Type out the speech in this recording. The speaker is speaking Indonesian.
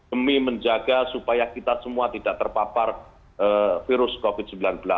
demi menjaga supaya kita semua tidak terpapar virus covid sembilan belas